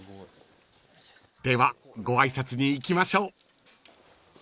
［ではご挨拶に行きましょう］